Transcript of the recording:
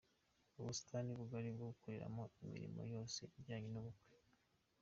Ubusitani bugari bwo gukoreramo imirimo yose ijyanye n’ubukwe.